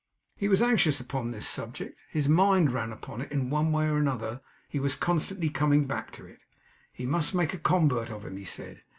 He was anxious upon this subject; his mind ran upon it; in one way or another he was constantly coming back to it; he must make a convert of him, he said.